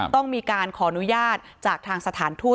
ต้องมีการขออนุญาตจากทางสถานทูต